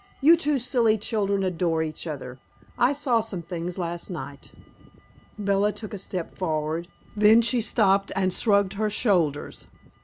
"You two silly children adore each other; I saw some things last night." Bella took a step forward; then she stopped and shrugged her shoulders.